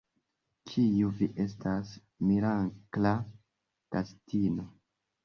Kiu vi estas, mirakla gastino?